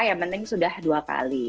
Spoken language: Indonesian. yang penting sudah dua kali